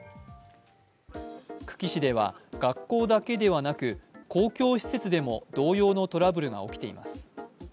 久喜市では、学校だけではなく公共施設でも同様のトラブルが起きています。